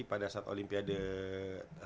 pada saat olimpiade